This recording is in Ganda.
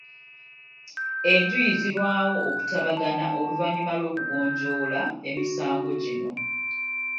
Enjuyi zirwawo okutabagana oluvannyuma lw'okugonjoola emisango gino.